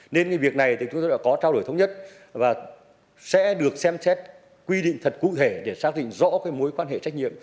nên cái việc này thì chúng tôi đã có trao đổi thống nhất và sẽ được xem xét quy định thật cụ thể để xác định rõ cái mối quan hệ trách nhiệm